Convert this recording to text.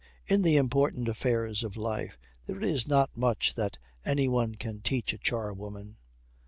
In the important affairs of life there is not much that any one can teach a charwoman.